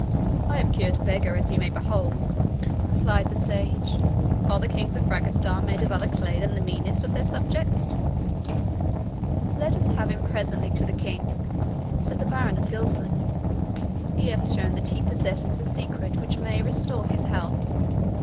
"I have cured a beggar, as you may behold," replied the sage. "Are the Kings of Frangistan made of other clay than the meanest of their subjects?" "Let us have him presently to the King," said the Baron of Gilsland. "He hath shown that he possesses the secret which may restore his health.